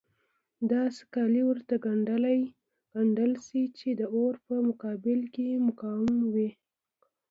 داسې کالي ورته ګنډل شي چې د اور په مقابل کې مقاوم وي.